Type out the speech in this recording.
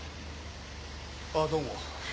あぁどうも。